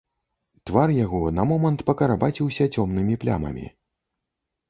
Твар яго на момант пакарабаціўся цёмнымі плямамі.